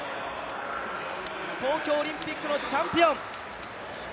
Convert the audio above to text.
東京オリンピックのチャンピオン。